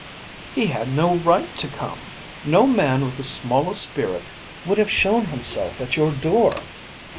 "He had no right to come. No man with the smallest spirit would have shown himself at your door.